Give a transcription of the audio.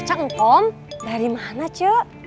cak ngkom dari mana cek